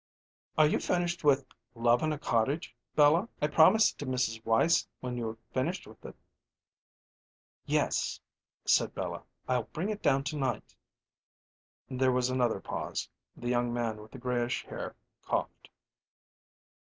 "Are you finished with Love in a Cottage, Bella? I promised it to Mrs. Weiss when you're finished with it." "Yes," said Bella. "I'll bring it down to night." There was another pause; the young man with the grayish hair coughed.